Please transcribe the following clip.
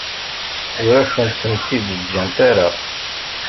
Ur ak-tent-id-ǧǧant ara.